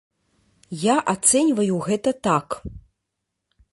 Я ацэньваю гэта так.